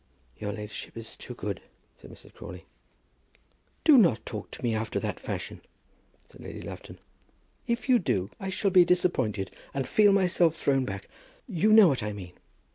"Your ladyship is too good," said Mrs. Crawley. "Do not talk to me after that fashion," said Lady Lufton. "If you do I shall be disappointed, and feel myself thrown back. You know what I mean."